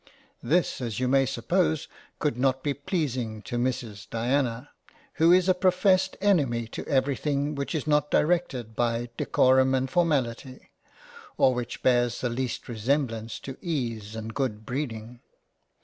This as you may suppose could not be pleasing to Mrs Diana who is a professed enemy to every thing which is not directed by Decorum and Formality, or which bears the least resemblance to Ease and Good breeding.